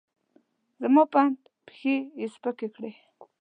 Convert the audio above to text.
زما په اند، پښې یې سپکې کړې.